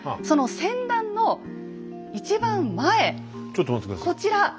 その船団の一番前こちら。